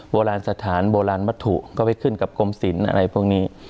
โบราณสถานโบราณวัตถุก็ไปขึ้นกับกรมศิลป์อะไรพวกนี้